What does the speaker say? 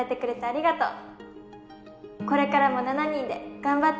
ありがとう！